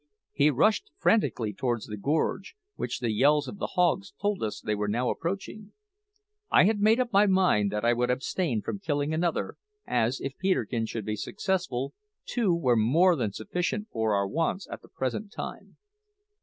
He rushed frantically towards the gorge, which the yells of the hogs told us they were now approaching. I had made up my mind that I would abstain from killing another, as, if Peterkin should be successful, two were more than sufficient for our wants at the present time.